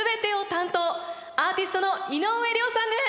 アーティストの井上涼さんです！